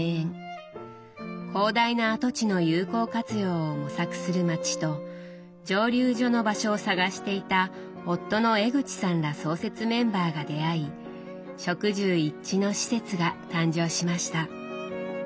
広大な跡地の有効活用を模索する町と蒸留所の場所を探していた夫の江口さんら創設メンバーが出会い職住一致の施設が誕生しました。